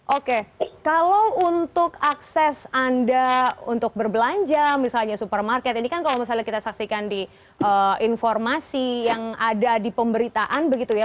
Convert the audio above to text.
oke kalau untuk akses anda untuk berbelanja misalnya supermarket ini kan kalau misalnya kita saksikan di informasi yang ada di pemberitaan begitu ya